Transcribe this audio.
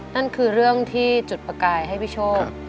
นั่นคือเรื่องที่จุดประกายให้พี่โชค